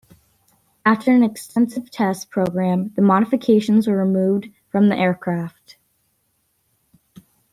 After an extensive test program, the modifications were removed from the aircraft.